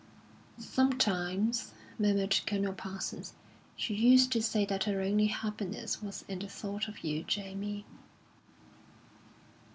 "Sometimes," murmured Colonel Parsons, "she used to say that her only happiness was in the thought of you, Jamie."